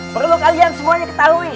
perlu kalian semuanya ketahui